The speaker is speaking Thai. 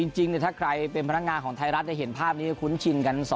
จริงถ้าใครเป็นพนักงานของไทยรัฐเห็นภาพนี้ก็คุ้นชินกัน